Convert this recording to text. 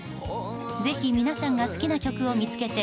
ぜひ皆さんが好きな曲を見つけて